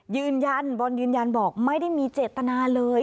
ยืนยันบอลยืนยันบอกไม่ได้มีเจตนาเลย